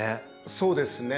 そうですね。